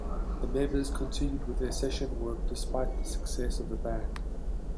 The members continued with their session work despite the success of the band.